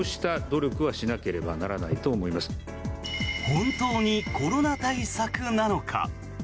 本当にコロナ対策なのか？